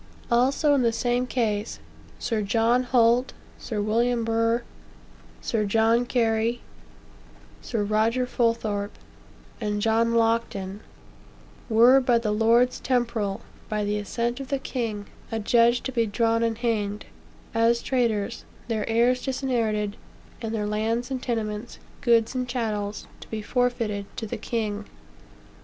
Also, in the same case, Sir John Holt, Sir William Burgh, Sir John Cary, Sir Roger Fulthorpe, and John Locton, "were by the lords temporal, by the assent of the king, adjudged to be drawn and hanged, as traitors, their heirs disinherited, and their lands and tenements, goods and chattels, to be forfeited to the king."